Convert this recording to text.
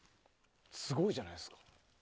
すごいじゃないですか。